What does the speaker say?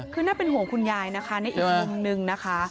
คือน่าเป็นห่วงคุณยายนะคะในอีกมุมนึงนะคะ